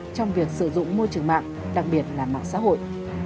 trong việc sử dụng môi trường mạng đặc biệt là mạng xã hội